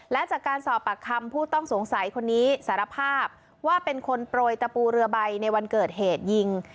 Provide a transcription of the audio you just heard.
และจากการสอบปากคำผู้ต้องสงสัยคนนี้สารภาพว่าเป็นคนโปรยตะปูเรือใบในวันเกิดเหตุยิง